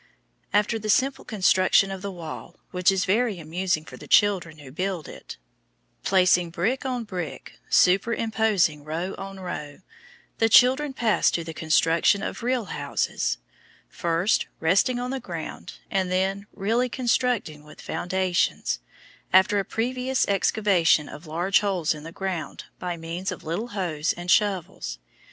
After the simple construction of the wall,–which is very amusing for the children who build it, placing brick on brick, superimposing row on row,–the children pass to the construction of real houses,– first, resting on the ground, and, then, really constructed with foundations, after a previous excavation of large holes in the ground by means of little hoes and shovels.